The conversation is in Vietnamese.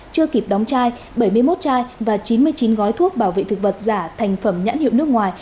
chưa kịp đóng chai bảy mươi một chai và chín mươi chín gói thuốc bảo vệ thực vật giả thành phẩm nhãn hiệu nước ngoài